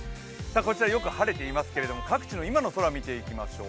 こちらよく晴れていますけれども各地の今の空、見ていきましょう。